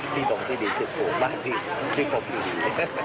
ที่ตรงที่ดีซึ่งปลูกบ้านที่ชื่อผมอยู่ดี